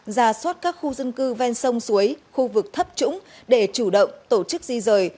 ra soát các khu dân cư ven sông suối khu vực thấp trũng để chủ động tổ chức di rời